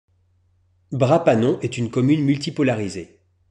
Bras-Panon est une commune multipolarisée.